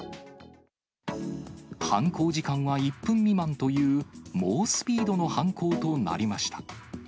犯行時間は１分未満という、猛スピードの犯行となりました。